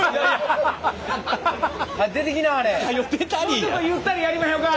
もうちょっとゆったりやりまひょか？